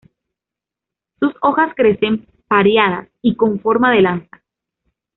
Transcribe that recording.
Sus hojas crecen pareadas y con forma de lanza.